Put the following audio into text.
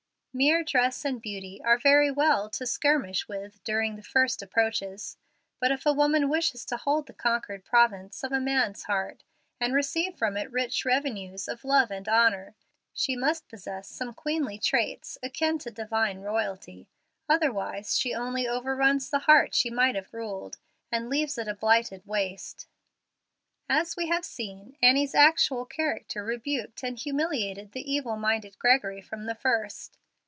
Mere dress and beauty are very well to skirmish with during the first approaches; but if a woman wishes to hold the conquered province of a man's heart, and receive from it rich revenues of love and honor, she must possess some queenly traits akin to divine royalty, otherwise she only overruns the heart she might have ruled, and leaves it a blighted waste. As we have seen, Annie's actual character rebuked and humiliated the evil minded Gregory from the first.